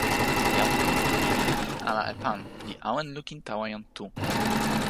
jan Kuntuli li lukin ala e pan, li awen lukin tawa jan Tu.